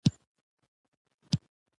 او غیر خوراکي توکو د اتحادیو له مسؤلینو،